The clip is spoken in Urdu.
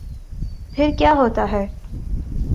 پھر کیا ہوتا ہے۔